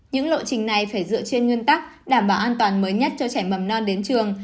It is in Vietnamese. những lộ trình này phải dựa trên nguyên tắc đảm bảo an toàn mới nhất cho trẻ mầm non đến trường